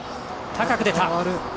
高く出た。